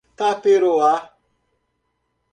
Taperoá